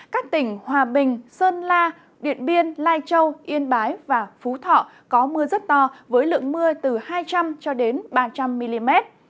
các tỉnh hòa bình sơn la điện biên lai châu yên bái và phú thọ có mưa rất to với lượng mưa từ hai trăm linh cho đến ba trăm linh mm